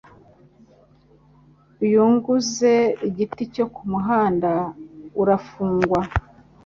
Iyugonze igiti cyo kumuhanda urafungwa